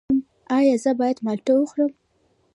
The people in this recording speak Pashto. ایا زه باید مالټه وخورم؟